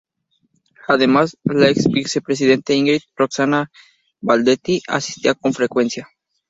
Además, la ex vicepresidente Ingrid Roxana Baldetti, asistía con frecuencia.